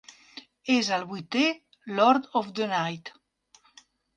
És el vuitè Lord of the Night.